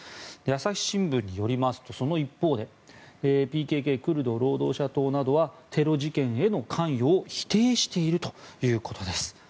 朝日新聞によりますとその一方でＰＫＫ・クルド労働者党などはテロ自民党への関与を否定しているということです。